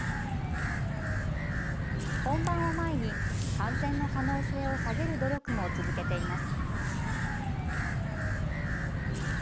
本番を前に感染の可能性を下げる努力も続けています。